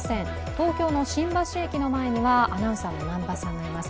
東京の新橋駅の前にはアナウンサーの南波さんがいます。